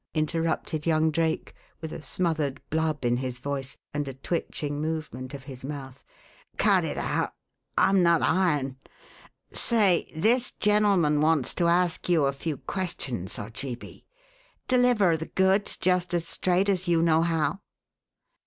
interrupted young Drake, with a smothered "blub" in his voice and a twitching movement of his mouth. "Cut it out! I'm not iron. Say, this gentleman wants to ask you a few questions, Ojeebi; deliver the goods just as straight as you know how."